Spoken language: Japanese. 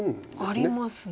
ありますね。